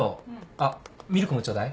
あっミルクもちょうだい。